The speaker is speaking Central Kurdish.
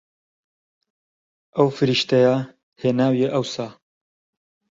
ئەو فریشتەیە هێناویە ئەوسا